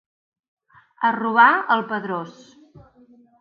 A robar, al Pedrós.